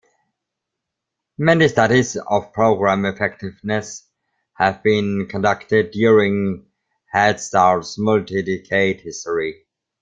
Many studies of program effectiveness have been conducted during Head Start's multi-decade history.